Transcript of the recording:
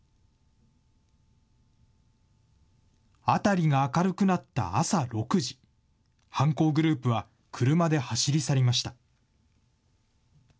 辺りが明るくなった朝６時、犯行グループは車で走り去りました。